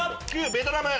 ベトナム。